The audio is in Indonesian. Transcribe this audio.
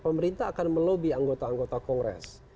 pemerintah akan melobi anggota anggota kongres